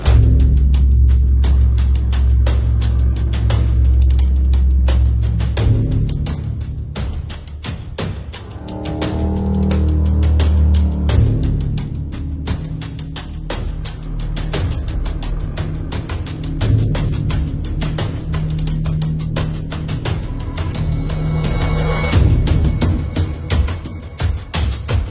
แล้วก็พอเล่ากับเขาก็คอยจับอย่างนี้ครับ